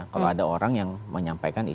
kalau ada orang yang menyampaikan hal hal